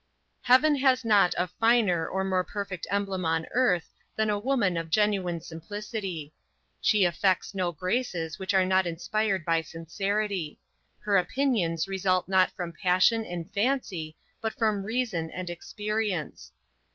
Heaven has not a finer or more perfect emblem on earth than a woman of genuine simplicity. She affects no graces which are not inspired by sincerity. Her opinions result not from passion and fancy, but from reason and experience.